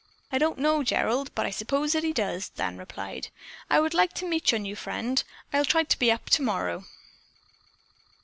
"I don't know, Gerald, but I suppose that he does," Dan replied. "I would like to meet your new friend. I'll try to be up tomorrow."